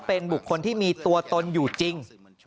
เป็นบุคคลที่มีตัวตนอยู่จริง